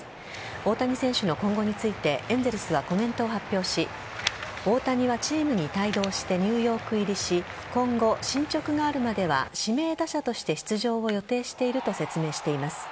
大谷選手の今後についてエンゼルスはコメントを発表し大谷はチームに帯同してニューヨーク入りし今後、進捗があるまでは指名打者として出場を予定していると説明しています。